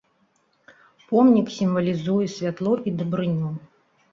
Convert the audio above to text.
Помнік сімвалізуе святло і дабрыню.